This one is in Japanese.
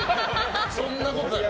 そんなことない。